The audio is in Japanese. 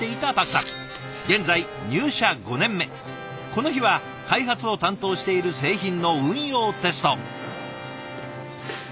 この日は開発を担当している製品の運用テスト。